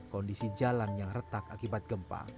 kondisi jalan yang retak akibat gempa